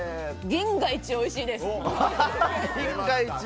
銀河イチおいしいです。